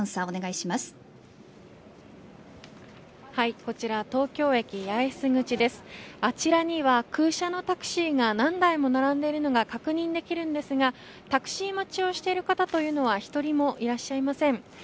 あちらには空車のタクシーが何台も並んでいるのが確認できますがタクシー待ちをしている方は１人もいらっしゃいません。